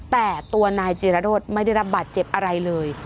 แต่ตัวนายจิรโรธไม่ได้รับบาดเจ็บอะไรเลย